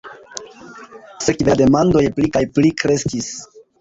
Sekve la demandoj pli kaj pli kreskis.